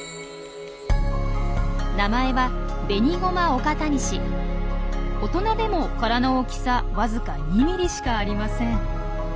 名前は大人でも殻の大きさわずか２ｍｍしかありません。